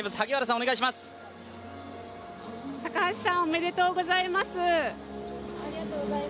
高橋さんおめでとうございます。